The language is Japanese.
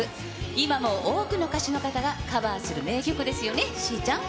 今も多くの歌手の方がカバーする名曲ですよね、しーちゃん。